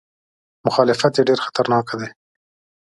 مخالفت یې ډېر خطرناک دی.